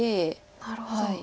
なるほど。